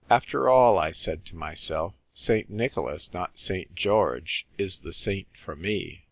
"After all," I said to my self, " St. Nicholas, not St. George, is the saint for me.